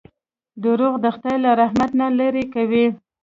• دروغ د خدای له رحمت نه لرې کوي.